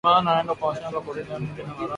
mama anaenda ku mashamba kurima mindi na maragi